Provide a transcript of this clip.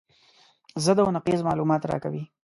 ضد او نقیض معلومات راکوي.